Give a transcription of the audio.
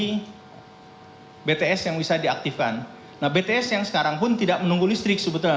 hai bts yang bisa diaktifkan nah bts yang sekarang pun tidak menunggu listrik sebetulnya